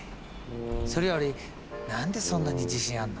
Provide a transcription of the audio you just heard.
それより何でそんなに自信あんの？